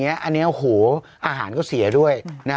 อันนี้โหอาหารก็เสียด้วยนะครับ